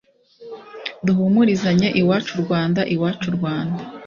duhumurizanye iwacu rwanda iwacu rwanda